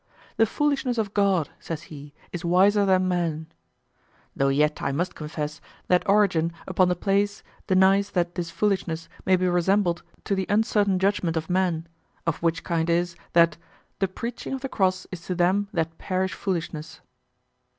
"The foolishness of God," says he, "is wiser than men." Though yet I must confess that origin upon the place denies that this foolishness may be resembled to the uncertain judgment of men; of which kind is, that "the preaching of the cross is to them that perish foolishness."